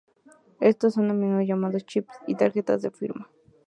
Estos son a menudo llamados "chips y tarjetas de firma".